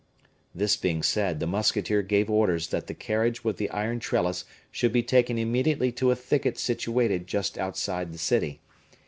This being said, the musketeer gave orders that the carriage with the iron trellis should be taken immediately to a thicket situated just outside the city.